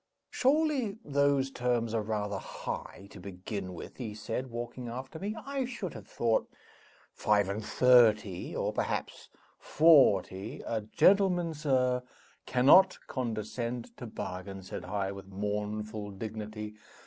"Surely those terms are rather high to begin with?" he said, walking after me. "I should have thought five and thirty, or perhaps forty " "A gentleman, sir, cannot condescend to bargain," said I, with mournful dignity.